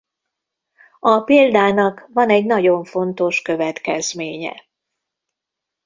A példának van egy nagyon fontos következménye.